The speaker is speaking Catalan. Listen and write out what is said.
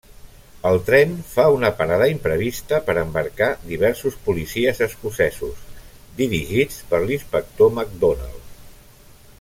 El tren fa una parada imprevista per embarcar diversos policies escocesos, dirigits per l'inspector McDonald.